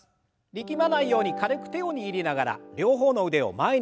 力まないように軽く手を握りながら両方の腕を前に上げて。